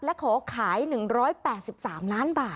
และขอขาย๑๘๓ล้านบาท